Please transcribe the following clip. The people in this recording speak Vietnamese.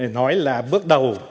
nói là bước đầu